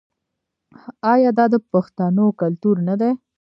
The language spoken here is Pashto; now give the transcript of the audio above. آیا دا د پښتنو کلتور نه دی؟